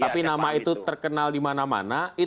pada siang hari